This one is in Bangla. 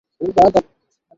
মেডেলিন, আমি দুঃখিত।